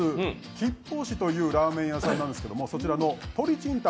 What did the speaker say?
吉法師というラーメン屋さんなんですけどそちらの鶏清湯